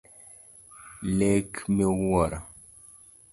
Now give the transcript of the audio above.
Lek miwuoro.